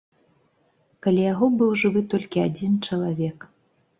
Каля яго быў жывы толькі адзін чалавек.